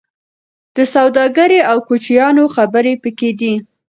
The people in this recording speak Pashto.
د سوداګرۍ او کوچیانو خبرې پکې دي.